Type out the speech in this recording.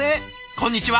こんにちは！